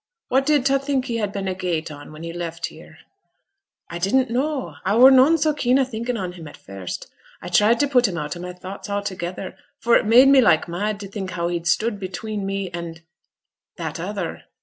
What did ta think he had been agait on when he left here?' 'I didn't know. I were noane so keen a thinking on him at first. I tried to put him out o' my thoughts a'together, for it made me like mad to think how he'd stood between me and that other.